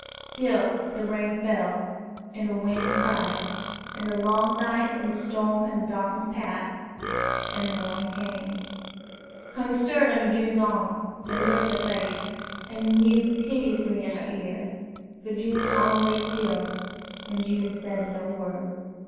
Still the rain fell, and the wind cried; and the long night and the storm and the darkness passed, and the morning came. Hungry stirred under June's arm, and licked her face, and mewed piteously at her ear. But June's arm lay still, and June said no word.